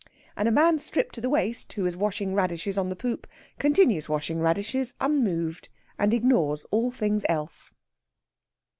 And a man stripped to the waist, who is washing radishes on the poop, continues washing radishes unmoved, and ignores all things else.